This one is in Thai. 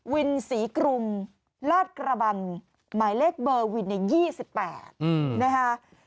วินศรีกรุงลาดกระบังหมายเลขเบอร์วินใน๒๘นะคะ